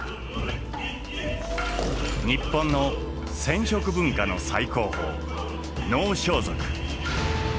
日本の染織文化の最高峰能装束。